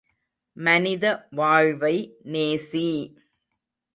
மனித வாழ்வை நேசி!